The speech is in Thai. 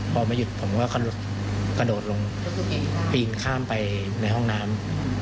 พอไม่หยุดผมก็กระโดดลงปีนข้ามไปในห้องน้ำ